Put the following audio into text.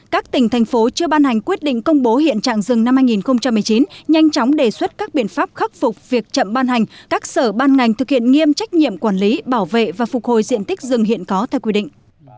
các tỉnh thành phố chưa ban hành quyết định công bố hiện trạng rừng năm hai nghìn một mươi chín nhanh chóng đề xuất các biện pháp khắc phục việc chậm ban hành các sở ban ngành thực hiện nghiêm trách nhiệm quản lý bảo vệ và phục hồi diện tích rừng hiện có theo quy định